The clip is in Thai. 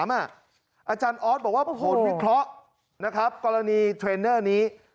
อาจารย์ออสบอกว่าผลวิเคราะห์นะครับกรณีเทรนเนอร์นี้